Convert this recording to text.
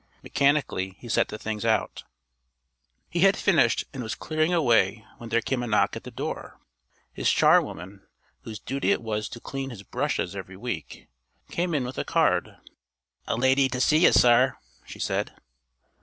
Mechanically he set the things out.... He had finished and was clearing away when there came a knock at the door. His charwoman, whose duty it was to clean his brushes every week, came in with a card. "A lady to see you, Sir," she said.